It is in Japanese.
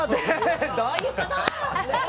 どういうこと？